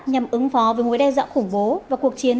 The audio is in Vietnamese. nhằm ứng phó với mối đe dọa khủng bố và cuộc chiến